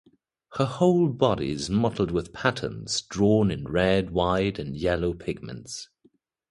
Her whole body is mottled with patterns drawn in red, white, and yellow pigments.